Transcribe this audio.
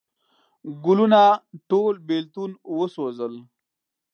ګلونه ټول بیلتون وسوزل